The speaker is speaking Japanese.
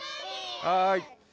はい。